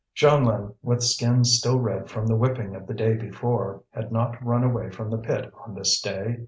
Jeanlin, with skin still red from the whipping of the day before, had not run away from the pit on this day.